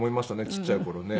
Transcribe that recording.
ちっちゃい頃ね。